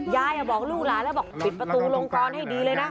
ยายบอกลูกหลานแล้วบอกปิดประตูลงกรให้ดีเลยนะ